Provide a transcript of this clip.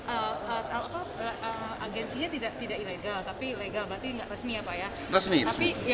agensinya tidak ilegal tapi ilegal berarti resmi ya pak ya